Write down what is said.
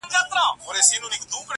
ته به په فکر وې، چي څنگه خرابيږي ژوند~